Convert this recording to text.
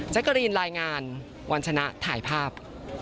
กะรีนรายงานวันชนะถ่ายภาพ